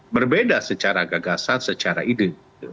berbeda secara gagasan secara ide